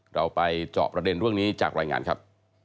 เราไปเจาะประเด็นเรื่องนี้จากรายงานครับ